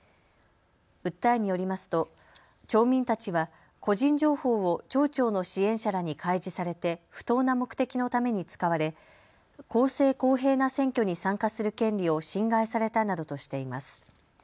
訴えによりますと町民たちは個人情報を町長の支援者らに開示されて不当な目的のために使われ公正、公平な選挙に参加する権利を侵害されたなどとしています。